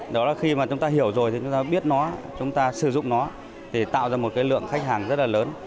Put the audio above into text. đó là khi chúng ta hiểu rồi chúng ta biết nó chúng ta sử dụng nó tạo ra một lượng khách hàng rất là lớn